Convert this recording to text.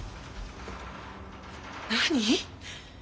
何？